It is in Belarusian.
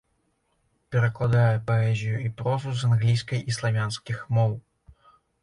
Перакладае паэзію і прозу з англійскай і славянскіх моў.